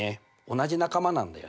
同じ仲間なんだよね。